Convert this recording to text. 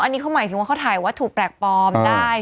อันนี้เขาหมายถึงว่าเขาถ่ายวัตถุแปลกปลอมได้